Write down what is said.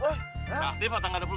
kenapa kita yang jombelin